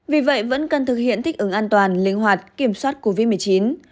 vì vậy vẫn cần thực hiện thích ứng an toàn linh hoạt kiểm soát covid một mươi chín